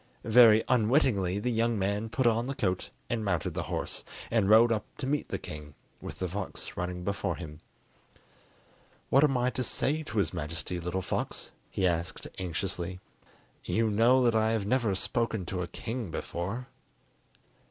Very unwillingly the young man put on the coat and mounted the horse, and rode up to meet the king, with the fox running before him. "What am I to say to his Majesty, little fox?" he asked anxiously; "you know that I have never spoken to a king before."